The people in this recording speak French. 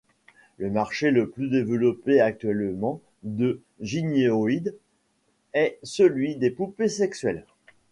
Le marché le plus développé actuellement de gynoïdes est celui des poupées sexuelles.